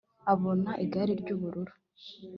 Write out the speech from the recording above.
abona igare ry'ubururu